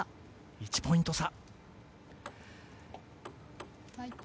１ポイント差。